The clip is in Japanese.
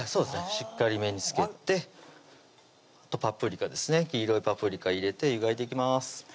しっかりめにつけてパプリカですね黄色いパプリカ入れて湯がいていきます